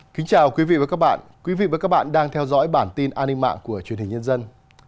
kính chào quý vị và các bạn quý vị và các bạn đang theo dõi bản tin an ninh mạng của truyền hình nhân dân